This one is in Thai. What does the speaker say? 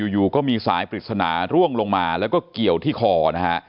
อยู่ก็มีสายปริศนาร่วงลงมาแล้วก็เกี่ยวที่คอนะฮะ